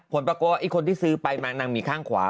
ผลประกันว่าคนที่ซื้อไปก็มีข้างขวา